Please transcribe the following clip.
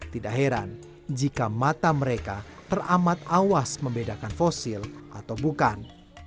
tidak heran jika mata mereka teramat awas membedakan fosil atau bukan